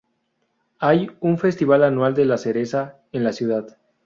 Hay un festival anual de la cereza en la ciudad.